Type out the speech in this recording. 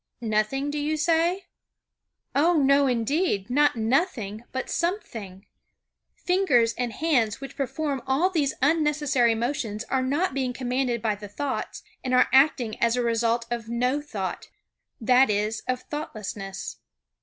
Nothing, do you say? Oh! no, indeed; not nothing but something. Fingers and hands which perform all these unnecessary motions are not being commanded by the thoughts, and are acting as a result of no thought; that is, of thoughtlessness.